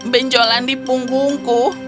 benjolan di punggungku